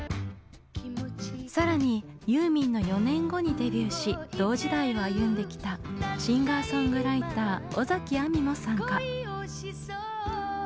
更にユーミンの４年後にデビューし同時代を歩んできたシンガーソングライター尾崎亜美も参加。